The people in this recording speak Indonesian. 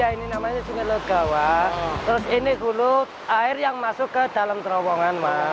ini namanya sinelogawa terus ini hulu air yang masuk ke dalam terowongan